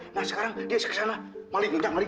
nah sekarang dia isi ke sana maling nyunya maling